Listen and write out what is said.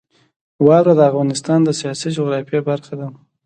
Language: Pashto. واوره د افغانستان د سیاسي جغرافیه برخه ده.